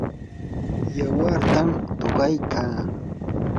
yawartam tuqaykaa.